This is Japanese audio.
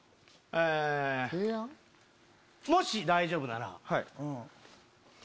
もし大丈夫なら。